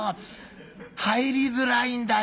入りづらいんだよ。